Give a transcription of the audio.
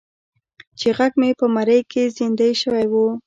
چې غږ مې په مرۍ کې زیندۍ شوی و.